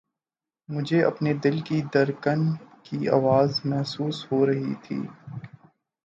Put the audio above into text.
مجھے اپنے دل کی دھڑکن کی آواز محسوس ہو رہی تھی